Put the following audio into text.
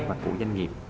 và của doanh nghiệp